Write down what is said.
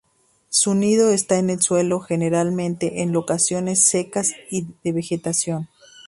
Su nido esta en el suelo, generalmente en localizaciones secas y de vegetación.